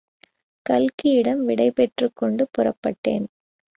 கல்கியிடம் விடைபெற்றுக்கொண்டு புறப்பட்டேன்.